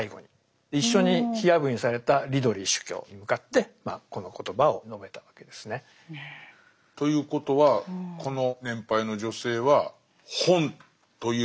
一緒に火あぶりにされたリドリー主教に向かってこの言葉を述べたわけですね。ということはこの年配の女性は本という信仰に殉ずるというか。